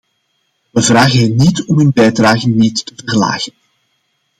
We vragen hen niet om hun bijdragen niet te verlagen.